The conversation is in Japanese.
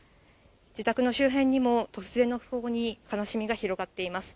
自宅の周辺にも、突然の訃報に、悲しみが広がっています。